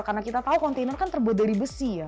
karena kita tahu kontainer kan terbuat dari besi ya